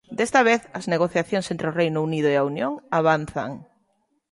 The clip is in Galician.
Desta vez, as negociacións entre o Reino Unido e a Unión avanzan.